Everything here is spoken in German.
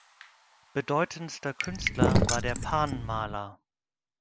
Bedeutendster Künstler war der Pan-Maler.